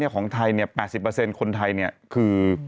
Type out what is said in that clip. ของไทย๘๐คนไทยคือ